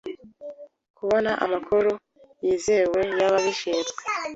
kubona amakuru yizewe y'ababishinzwe,